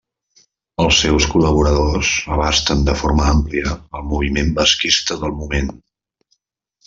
Els seus col·laboradors abasten de forma àmplia el moviment basquista del moment.